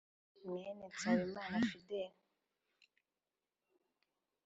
mwene Nsabimana Fidele